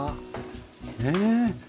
ねえ。